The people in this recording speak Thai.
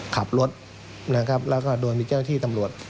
ขับรถนะครับแล้วก็โดนมีเจ้าที่ตำรวจ